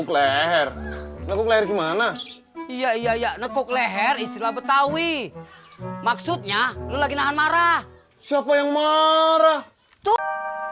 leher nekuk leher gimana iya iya nekuk leher istilah betawi maksudnya lelaki nahan marah siapa yang marah tuh